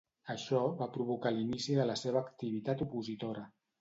Això va provocar l'inici de la seva activitat opositora.